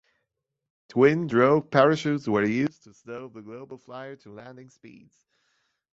Twin drogue parachutes were used to slow the GlobalFlyer to landing speeds.